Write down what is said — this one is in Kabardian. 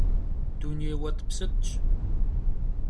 Dunêy vuet'psıt'ş.